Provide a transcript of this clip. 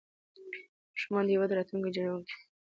ماشومان د هیواد راتلونکي جوړونکي دي.